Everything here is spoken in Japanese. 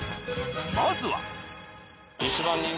まずは。